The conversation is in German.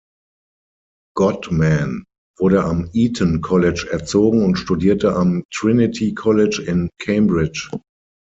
Godman wurde am Eton College erzogen und studierte am Trinity College in Cambridge.